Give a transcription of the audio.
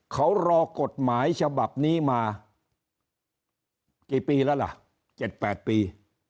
เขารอกฎหมายฉบับนี้มากี่ปีแล้วล่ะ๗๘ปี